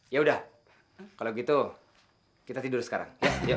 yaudah kalau gitu kita tidur sekarang